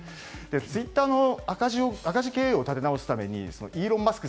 ツイッターの赤字経営を立て直すためにイーロン・マスク